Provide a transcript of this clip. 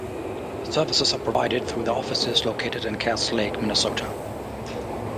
The services are provided through their offices located in Cass Lake, Minnesota.